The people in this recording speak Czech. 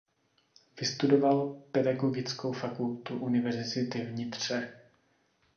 Vystudoval Pedagogickou fakultu univerzity v Nitře.